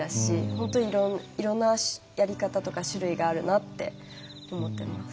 本当にいろんなやり方とか種類があるなって思ってます。